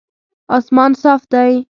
اسمان صاف دی